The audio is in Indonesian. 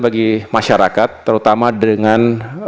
bagi masyarakat terutama dengan